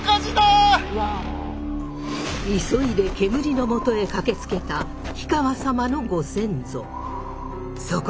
急いで煙のもとへ駆けつけた火川様のご先祖。